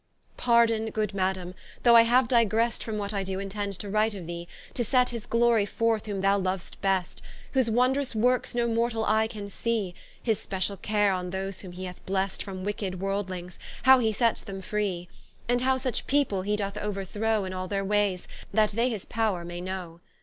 ¶ Pardon (good Madame) though I have digrest From what I doe intend to write of thee, To set his glorie forth whom thou lov'st best, Whose wondrous works no mortall eie can see; His speciall care on those whom he hath blest From wicked worldlings, how he sets them free: And how such people he doth overthrow In all their waies, that they his powre may know.